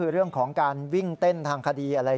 เรื่องของวิ่งเต้นทางคดี